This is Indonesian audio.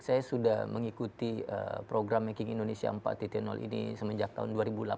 saya sudah mengikuti program making indonesia empat ini semenjak tahun dua ribu delapan belas